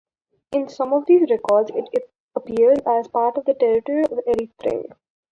In some of these records it appears as part of the territory of Erythrae.